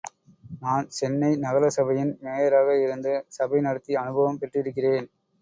நான் சென்னை நகரசபையின் மேயராக இருந்து சபை நடத்தி அனுபவம் பெற்றிருக்கிறேன்.